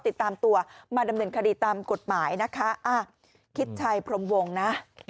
ติดตามตัวมาดำเนินคดีตามกฎหมายนะคะอ่ะคิดชัยพรมวงนะ